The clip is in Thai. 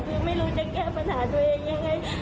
คือไม่รู้จะแก้ปัญหาตัวเองยังไง